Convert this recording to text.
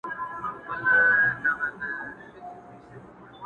یتیمان یې کړې ښارونه په ماړه وږي کارګان کې،